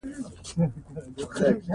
زردالو د افغانستان طبعي ثروت دی.